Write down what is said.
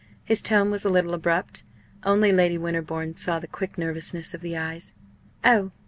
His tone was a little abrupt. Only Lady Winterbourne saw the quick nervousness of the eyes, "Oh!